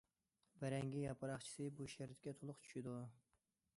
بەرەڭگى ياپراقچىسى بۇ شەرتكە تولۇق چۈشىدۇ.